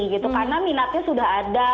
karena minatnya sudah ada